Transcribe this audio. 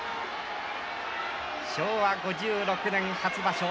昭和５６年、初場所。